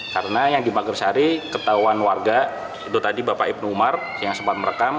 karena yang di magarsari ketahuan warga itu tadi bapak ibn umar yang sempat merekam